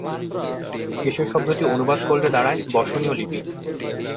শেষের শব্দটি অনুবাদ করলে দাড়ায় "বসনীয় লিপি"।